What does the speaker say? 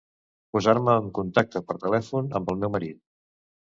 Posar-me en contacte per telèfon amb el meu marit.